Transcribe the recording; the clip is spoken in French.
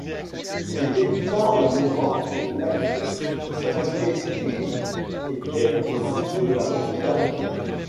Elle débuta au moment où l’actrice Ginger Lynn était au sommet de la popularité.